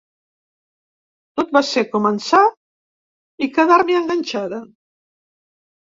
Tot va ser començar i quedar-m’hi enganxada.